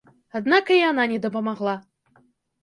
Аднак і яна не дапамагла.